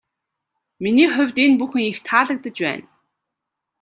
Миний хувьд энэ бүхэн их таалагдаж байна.